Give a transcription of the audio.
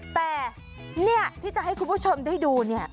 แต่เนี่ยที่จะให้คุณผู้ชมได้ดูเนี่ย